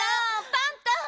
パンタ！